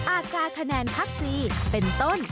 อาการคะแนนคัก๔เป็นต้น